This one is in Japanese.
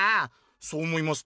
「そう思いますか？」。